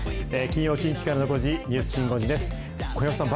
金曜近畿からの５時ニュースきん５時です。